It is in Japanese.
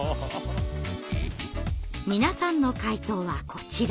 皆さんの回答はこちら。